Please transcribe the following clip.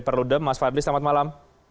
perludem mas fadli selamat malam